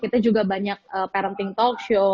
kita juga banyak parenting talkshow